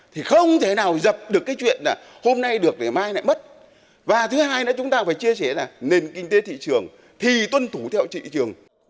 thì không thể nào dập được cái chuyện là hôm nay được để mai lại mất và thứ hai nữa chúng ta phải chia sẻ là nền kinh tế thị trường thì tuân thủ theo trị thị trường